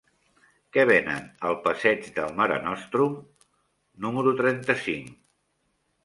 Què venen al passeig del Mare Nostrum número trenta-cinc?